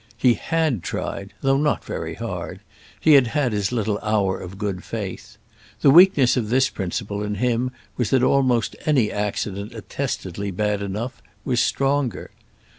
He had tried, though not very hard—he had had his little hour of good faith. The weakness of this principle in him was that almost any accident attestedly bad enough was stronger.